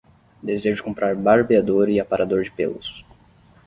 Desejo comprar barbeador e aparador de pelos